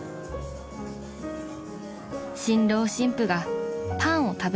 ［新郎新婦がパンを食べさせ合う］